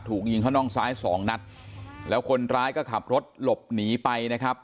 ถูกยิงเข้าน่องซ้ายสองนัดแล้วคนร้ายก็ขับรถหลบหนีไปนะครับ